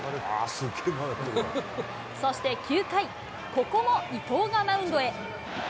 そして９回、ここも伊藤がマウンドへ。